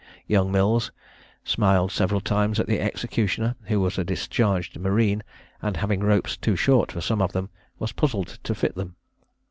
Young Mills smiled several times at the executioner, who was a discharged marine, and having ropes too short for some of them, was puzzled to fit them.